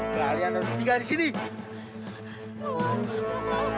kalian harus memilih mau dimakan atau mau dikium